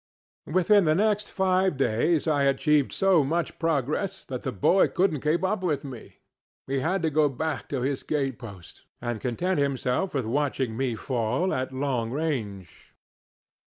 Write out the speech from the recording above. Within the next five days I achieved so much progress that the boy couldnŌĆÖt keep up with me. He had to go back to his gate post, and content himself with watching me fall at long range.